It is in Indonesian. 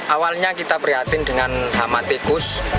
awalnya kita prihatin dengan hama tikus